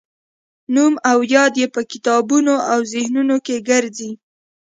نوم او یاد یې په کتابونو او ذهنونو کې ګرځي.